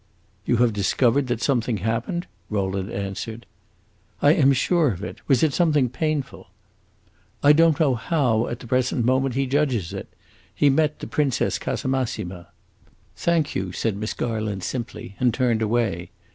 "You have discovered that something happened?" Rowland answered. "I am sure of it. Was it something painful?" "I don't know how, at the present moment, he judges it. He met the Princess Casamassima." "Thank you!" said Miss Garland, simply, and turned away.